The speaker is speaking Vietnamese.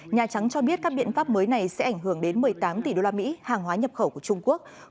nhà trắng cho biết các biện pháp mới này sẽ ảnh hưởng đến một mươi tám tỷ usd hàng hóa nhập khẩu của trung quốc